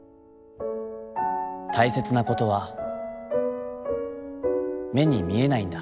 たいせつなことは、目に見えないんだ」。